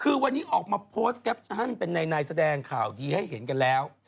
คือวันนี้ออกมาโพสต์แคปชั่นเป็นนายแสดงข่าวดีให้เห็นกันแล้ว